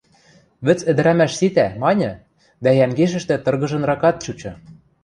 «Вӹц ӹдӹрӓмӓш ситӓ», — маньы, дӓ йӓнгешӹштӹ тыргыжынракат чучы.